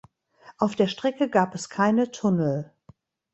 Auf der Strecke gab es keine Tunnel.